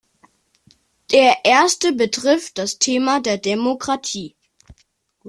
Der erste betrifft das Thema der Demokratie.